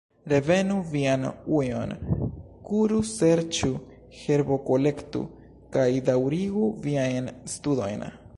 Reprenu vian ujon, kuru, serĉu, herbokolektu, kaj daŭrigu viajn studojn.